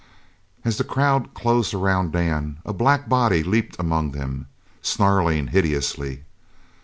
As the crowd closed around Dan, a black body leaped among them, snarling hideously.